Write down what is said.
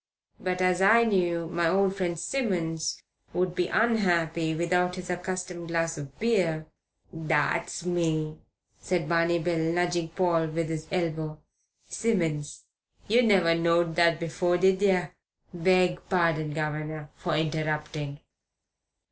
But as I knew my old friend Simmons would be unhappy without his accustomed glass of beer " "That's me," said Barney Bill, nudging Paul with his elbow. "Simmons. You never knowed that afore, did yer? Beg pardon, guv'nor, for interrupting."